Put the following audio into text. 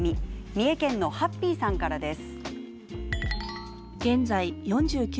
三重県のハッピーさんからです。